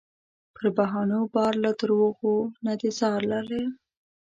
پر بهانو بار له دروغو نه دې ځار لالیه